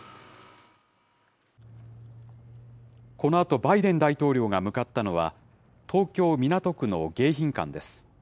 このあと、バイデン大統領が向かったのは、東京・港区の迎賓館です。